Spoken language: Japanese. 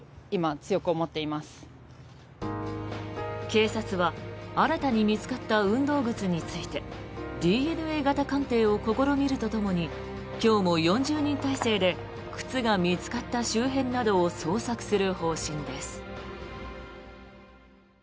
警察は新たに見つかった運動靴についてＤＮＡ型鑑定を試みるとともに今日も４０人態勢で靴が見つかった周辺などを捜索する方針です。